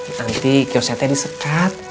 nanti yose teh disekat